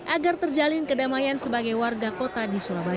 agar terjalin kedamaian sebagai warga kota di surabaya